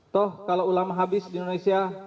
toh kalau ulama habis di indonesia